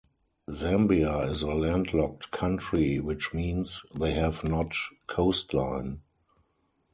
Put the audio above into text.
Zambia is a landlocked country, which means they have not coastline.